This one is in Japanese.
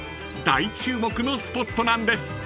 ［大注目のスポットなんです］